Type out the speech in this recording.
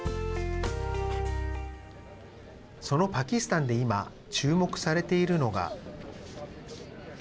そのパキスタンで今注目されているのが。